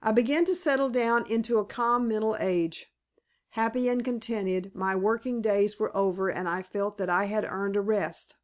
I began to settle down into a calm middle age, happy and contented; my working days were over and I felt that I had earned a rest.